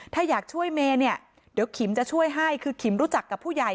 ถ้าอยากช่วยเมย์เนี่ยเดี๋ยวขิมจะช่วยให้คือขิมรู้จักกับผู้ใหญ่